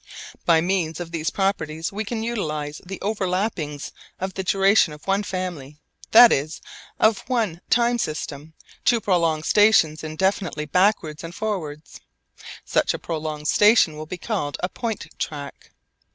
By means of these properties we can utilise the overlappings of the durations of one family that is, of one time system to prolong stations indefinitely backwards and forwards. Such a prolonged station will be called a point track.